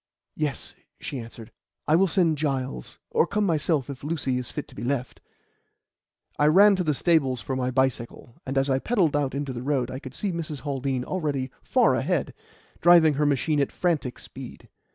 "Yes," she answered. "I will send Giles, or come myself if Lucy is fit to be left." I ran to the stables for my bicycle, and as I pedalled out into the road I could see Mrs. Haldean already far ahead, driving her machine at frantic speed.